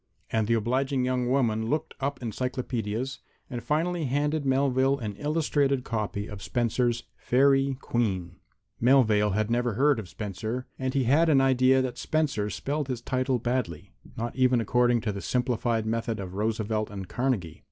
And the obliging young woman looked up encyclopedias and finally handed Melvale an illustrated copy of Spenser's "Faerie Queene." Melvale had never heard of Spenser, and he had an idea that Spenser spelled his title badly, not even according to the simplified method of Roosevelt and Carnegie.